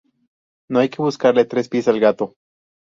No hay que buscarle tres pies al gato